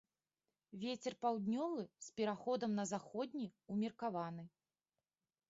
Вецер паўднёвы з пераходам на заходні ўмеркаваны.